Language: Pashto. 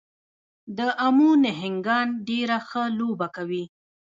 د امو نهنګان ډېره ښه لوبه کوي.